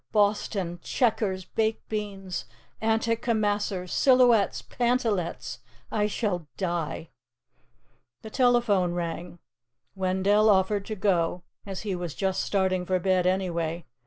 Boston! Checkers!! Baked Beans!!! Antimacassars!!!! Silhouettes!!!!! Pantalettes!!!!!!! I shall die!" The telephone rang. Wendell offered to go, as he was "just starting for bed anyway."